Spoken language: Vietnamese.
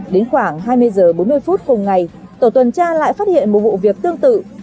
đến khoảng hai mươi h bốn mươi phút cùng ngày tổ tuần tra lại phát hiện một vụ việc tương tự